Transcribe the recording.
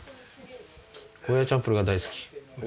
ゴーヤチャンプルーが大好き。